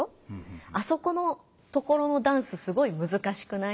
「あそこのところのダンスすごいむずかしくない？」。